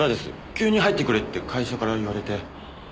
急に入ってくれって会社から言われて。